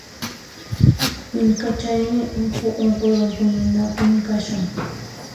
Willkachaymi uhu unquywan puñunapim kashan.